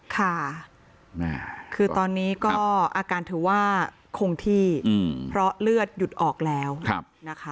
ค่ะคือตอนนี้ก็อาการถือว่าคงที่เพราะเลือดหยุดออกแล้วนะคะ